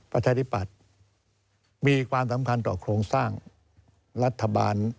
ประชาธิปัตย์มีความสำคัญต่อโครงสร้างรัฐบาล